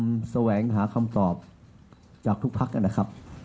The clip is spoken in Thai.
เราจะพยายามแสวงหาคำตอบจากทุกพักนะครับ